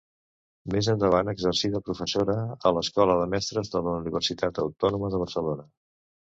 Més endavant exercí de professora a l'Escola de Mestres de la Universitat Autònoma de Barcelona.